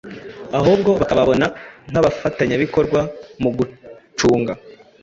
ahubwo bakababona nk’abafatanyakikorwa mu gucunga